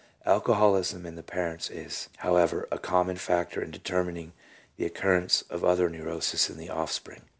Alcoholism in the parents is, however, a very common factor in determining the occur rence of other neuroses in the offspring."